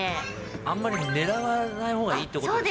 あんまり、ねらわないほうがいいってことですね。